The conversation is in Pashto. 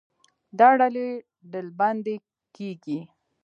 دا ډلې ډلبندي کېږي.